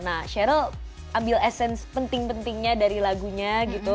nah cheryl ambil essence penting pentingnya dari lagunya gitu